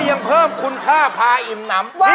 กุ้ายแล้วคุณค่าพาอิ่มน้ำ